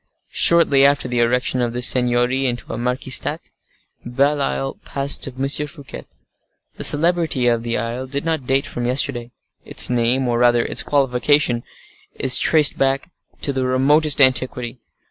Shortly after the erection of this seignory into a marquistate, Belle Isle passed to M. Fouquet. The celebrity of the isle did not date from yesterday; its name, or rather its qualification, is traced back to the remotest antiquity.